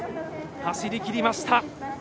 走りきりました。